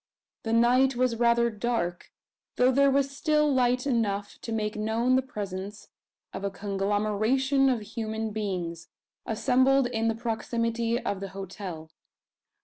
The night was rather dark, though there was still light enough to make known the presence of a conglomeration of human beings, assembled in the proximity of the hotel.